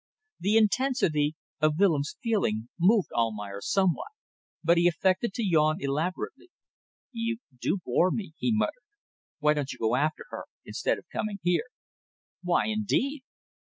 The intensity of Willems' feeling moved Almayer somewhat, but he affected to yawn elaborately, "You do bore me," he muttered. "Why don't you go after her instead of coming here?" "Why indeed?"